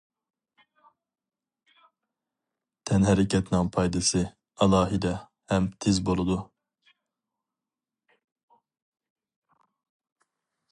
تەنھەرىكەتنىڭ پايدىسى ئالاھىدە، ھەم تېز بولىدۇ.